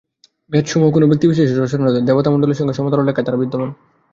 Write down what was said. বেদসমূহ কোন ব্যক্তিবিশেষের রচনা নয়, দেবতামণ্ডলীর সঙ্গে সমান্তরাল রেখায় তারা বিদ্যমান।